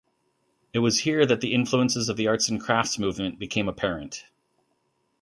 It was here that the influences of the arts and crafts movement became apparent.